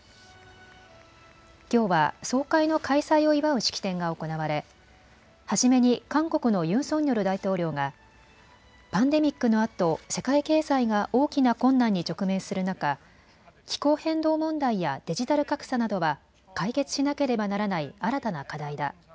きょうは総会の開催を祝う式典が行われ初めに韓国のユン・ソンニョル大統領がパンデミックのあと世界経済が大きな困難に直面する中、気候変動問題やデジタル格差などは解決しなければならない新たな課題だ。